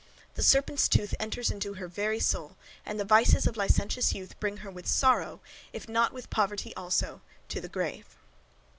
The serpent's tooth enters into her very soul, and the vices of licentious youth bring her with sorrow, if not with poverty also, to the grave.